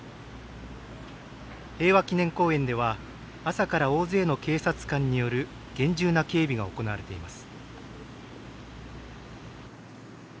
平和祈念公園では朝から大勢の警察官による厳重な警備が行われています。